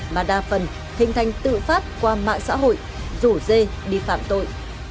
mà đa phần hình thành tự phát qua mạng xã hội rủ dê đi phạm tội